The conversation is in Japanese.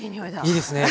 いいですね。